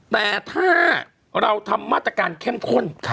แต่ถ้าเราทำมาตรการเข้มข้น